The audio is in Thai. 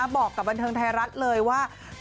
บอกกับบันเทิงไทยรัฐเลยว่า